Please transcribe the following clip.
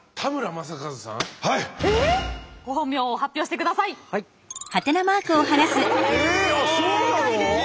正解です。